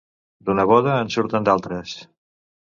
D'una boda en surten d'altres.